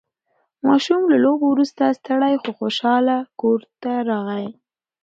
ماشوم له لوبو وروسته ستړی خو خوشحال کور ته راغی